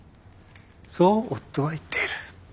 そう夫は言っている。